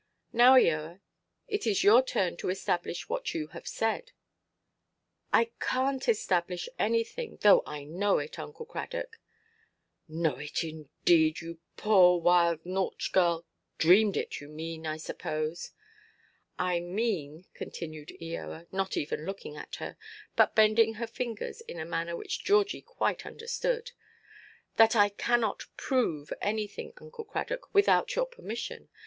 "Now, Eoa, it is your turn to establish what you have said." "I canʼt establish anything, though I know it, Uncle Cradock." "Know it indeed, you poor wild nautch–girl! Dreamed it you mean, I suppose." "I mean," continued Eoa, not even looking at her, but bending her fingers in a manner which Georgie quite understood, "that I cannot prove anything, Uncle Cradock, without your permission.